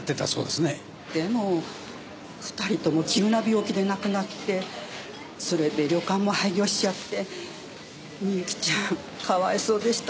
でも２人とも急な病気で亡くなってそれで旅館も廃業しちゃってみゆきちゃんかわいそうでしたね。